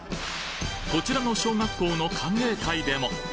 こちらの小学校の歓迎会でも。